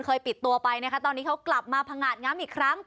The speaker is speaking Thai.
ปิดตัวไปนะคะตอนนี้เขากลับมาพังงาดง้ำอีกครั้ง